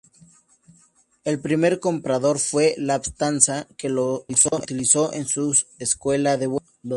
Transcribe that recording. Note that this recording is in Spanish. El primer comprador fue Lufthansa, que los utilizó en su escuela de vuelo.